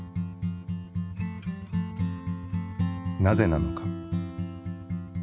なぜなのか？